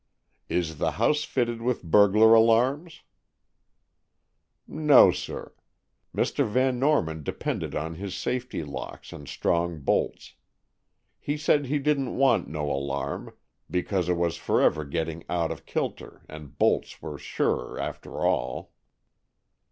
"Is the house fitted with burglar alarms?" "No, sir; Mr. Van Norman depended on his safety locks and strong bolts. He said he didn't want no alarm, because it was forever getting out o' kilter, and bolts were surer, after all."